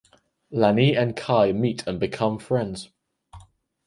Lani and Kai meet and become friends.